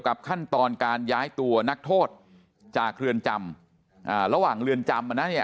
กับขั้นตอนการย้ายตัวนักโทษจากเรือนจำระหว่างเรือนจำ